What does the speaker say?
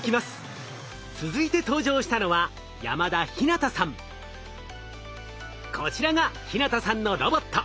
続いて登場したのはこちらが陽向さんのロボット。